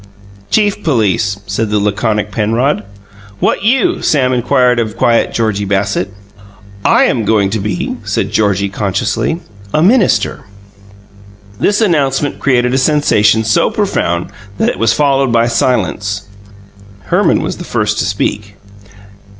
"Chief police," said the laconic Penrod. "What you?" Sam inquired of quiet Georgie Bassett. "I am going to be," said Georgie, consciously, "a minister." This announcement created a sensation so profound that it was followed by silence. Herman was the first to speak.